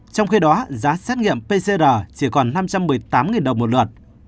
trong khi đó giá xét nghiệm pcr chỉ còn năm trăm một mươi tám đồng một lượt